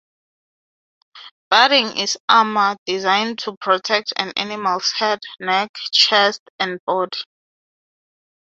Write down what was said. Barding is armor designed to protect an animal’s head, neck, chest, and body.